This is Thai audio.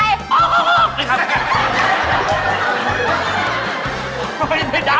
และไหนกำหนักกินตัวนี่แหละ